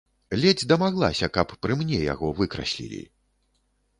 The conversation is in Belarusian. Ледзь дамаглася, каб пры мне яго выкраслілі.